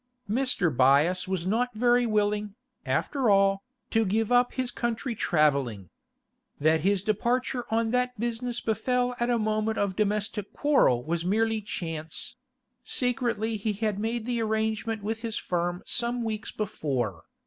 Mr. Byass was not very willing, after all, to give up his country travelling. That his departure on that business befell at a moment of domestic quarrel was merely chance; secretly he had made the arrangement with his firm some weeks before.